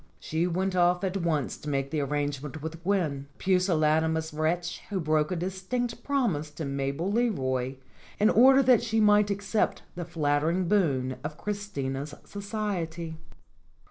She went off at once to make the arrangement with Gwen a pusillanimous wretch who broke a distinct promise to Mabel Leroy in order that she might accept the flattering boon of Christina's society.